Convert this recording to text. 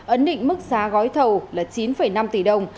ấn định mức giá gói thầu là chín năm tỷ đồng